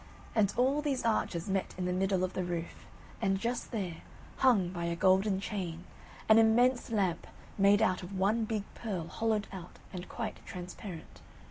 And all these arches met in the middle of the roof, and just there, hung by a gold chain, an immense lamp made out of one big pearl hollowed out and quite transparent.